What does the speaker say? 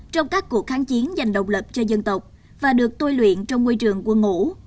trong các cuộc kháng chiến dành độc lập cho dân tộc và được tôi luyện trong môi trường quân ngũ